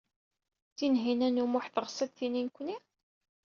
Tinhinan u Muḥ teɣs ad d-tini nekkni?